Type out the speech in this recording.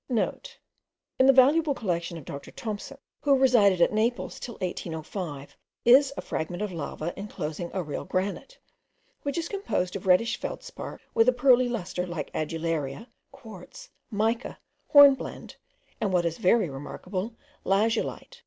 (* In the valuable collection of Dr. Thomson, who resided at Naples till 1805, is a fragment of lava enclosing a real granite, which is composed of reddish feldspar with a pearly lustre like adularia, quartz, mica, hornblende, and, what is very remarkable, lazulite.